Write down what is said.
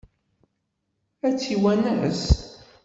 Ad tt-iwanes?